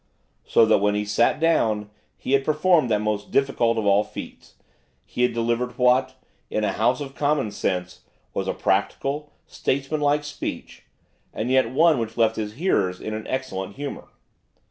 So that, when he sat down, he had performed that most difficult of all feats, he had delivered what, in a House of Commons' sense, was a practical, statesmanlike speech, and yet one which left his hearers in an excellent humour.